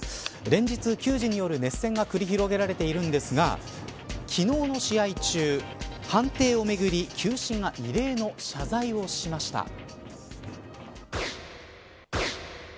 連日、球児による熱戦が繰り広げられているんですが昨日の試合中判定をめぐり球審が異例の謝罪をしました。